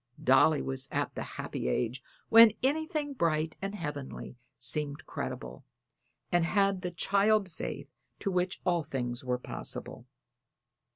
Dolly was at the happy age when anything bright and heavenly seemed credible, and had the child faith to which all things were possible.